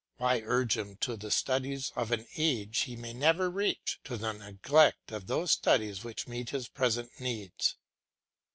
Why urge him to the studies of an age he may never reach, to the neglect of those studies which meet his present needs?